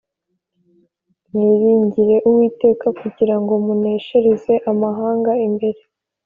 mwiringire uwiteka kugira ngo muneshereze amahanga imbere